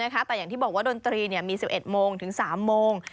แต่อย่างที่บอกว่าดนตรีมี๑๑โมงถึง๓โมง